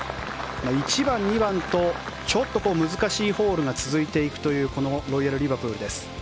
１番、２番とちょっと難しいホールが続いていくというこのロイヤルリバプールです。